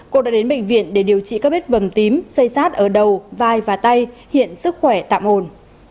cô đã đến bệnh viện để điều trị các bếp bầm tím xây xát ở đầu vai và tay hiện sức khỏe tạm ồn